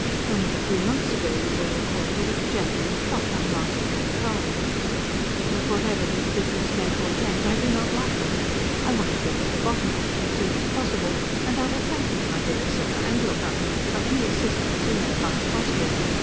Only a few months ago, you will recall, there was a Jacobin plot unmasked at Köln. But, whatever this business may portend, I do not like it. I want to get to the bottom of it as soon as possible, and I will thank you, my dear sir, and your government, for any assistance you may find possible.